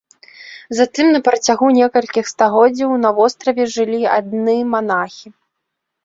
Затым на працягу некалькіх стагоддзяў на востраве жылі адны манахі.